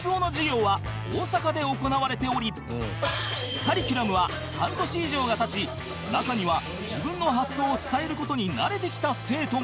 そんなカリキュラムは半年以上が経ち中には自分の発想を伝える事に慣れてきた生徒も